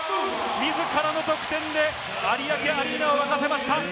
自らの得点で有明アリーナを沸かせました。